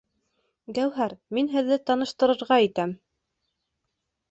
Гәүһәр, мин һеҙҙе таныштырырға итәм